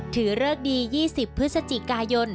เริกดี๒๐พฤศจิกายน